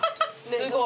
すごい。